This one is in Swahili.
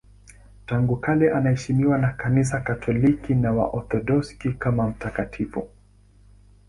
Tangu kale anaheshimiwa na Kanisa Katoliki na Waorthodoksi kama mtakatifu.